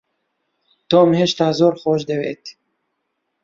تۆم، هێشتا زۆرم خۆش دەوێیت.